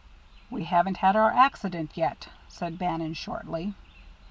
"We haven't had our accident yet," said Bannon, shortly.